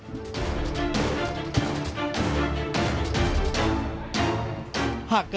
สิ่งที่สำคัญที่สุดในสังคมยุคปัจจุบันนี้ครับ